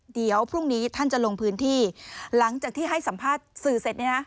เดี๋ยวพรุ่งนี้ท่านจะลงพื้นที่หลังจากที่ให้สัมภาษณ์สื่อเสร็จเนี่ยนะ